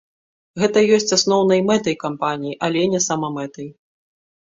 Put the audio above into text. Гэта ёсць асноўнай мэтай кампаніі, але не самамэтай.